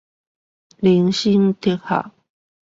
人生哲學